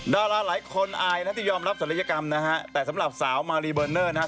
ดาราหลายคนอายนะที่ยอมรับศัลยกรรมนะฮะแต่สำหรับสาวมารีเบอร์เนอร์นะครับ